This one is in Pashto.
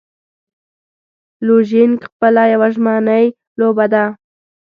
لوژینګ خپله یوه ژمنی لوبه ده.